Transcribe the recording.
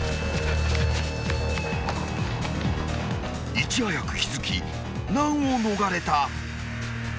［いち早く気付き難を逃れた］